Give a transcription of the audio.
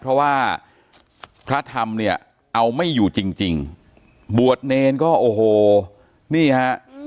เพราะว่าพระธรรมเนี่ยเอาไม่อยู่จริงจริงบวชเนรก็โอ้โหนี่ฮะ